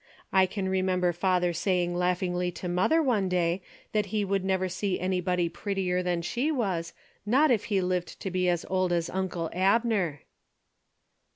I can remember father saying laughingly to mother one day that he would never see anybody prettier than she was, not if he lived to be as old as uncle Abner."